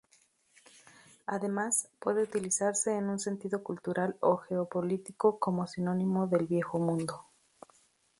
Además, puede utilizarse en un sentido cultural o geopolítico como sinónimo del "Viejo Mundo".